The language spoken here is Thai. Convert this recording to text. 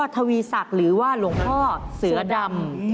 ทวีศักดิ์หรือว่าหลวงพ่อเสือดำ